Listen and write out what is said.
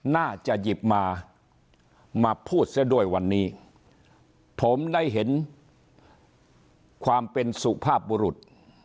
น่าจะหยิบมามาพูดซะด้วยวันนี้ผมได้เห็นความเป็นสุภาพบุรุษ